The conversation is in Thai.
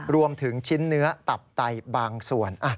รวมถึงชิ้นเนื้อตับไตบางส่วน